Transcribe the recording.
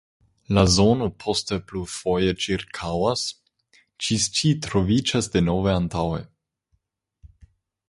La zono poste plurfoje ĉirkaŭas, ĝis ĝi troviĝas denove antaŭe.